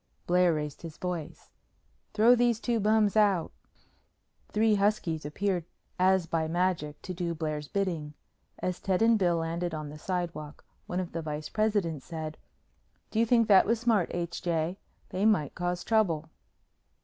Blair raised his voice. "Throw these two bums out!" Three huskies appeared as by magic to do Blair's bidding. As Ted and Bill landed on the sidewalk, one of the vice presidents said, "Do you think that was smart, H. J.? They might cause trouble."